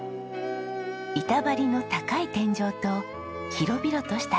板張りの高い天井と広々とした玄関。